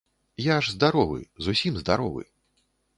Я ж здаровы, зусім здаровы.